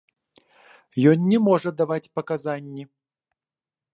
Ён не можа даваць паказанні.